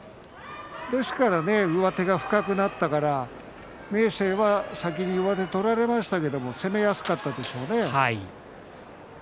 ですから上手が深くなったから明生が先に上手を取られましたけど攻めやすかったですよね。